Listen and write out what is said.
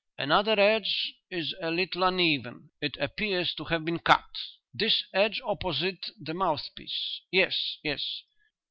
"Another edge is a little uneven; it appears to have been cut." "This edge opposite the mouthpiece. Yes, yes."